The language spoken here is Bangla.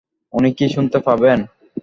উনি কি শুনতে পাবেন?